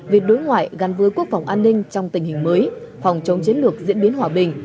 về đối ngoại gắn với quốc phòng an ninh trong tình hình mới phòng chống chiến lược diễn biến hòa bình